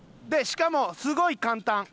でしかもすごい簡単。